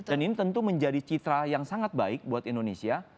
dan ini tentu menjadi citra yang sangat baik buat indonesia